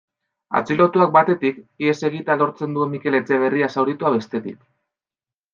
Atxilotuak, batetik, ihes egitea lortzen duen Mikel Etxeberria zauritua, bestetik.